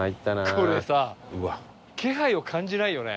これさ気配を感じないよね。